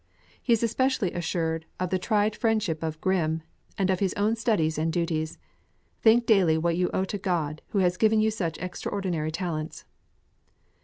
He is especially assured of the tried friendship of Grimm, and of his own studies and duties: "Think daily what you owe to God, who has given you such extraordinary talents."